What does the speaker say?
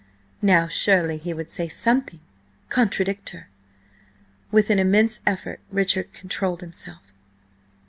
Now surely he would say something–contradict her! With an immense effort, Richard controlled himself.